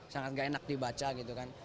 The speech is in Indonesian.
sangat gak enak dibaca gitu kan